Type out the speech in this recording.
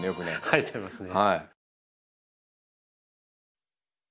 生えちゃいますね。